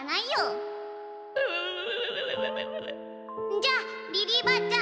じゃあリリーばあちゃん